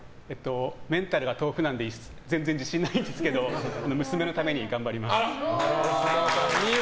メンタルが豆腐なので全然自信ないんですけど娘のために頑張ります。